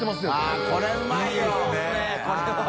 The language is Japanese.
あっこれうまいよ！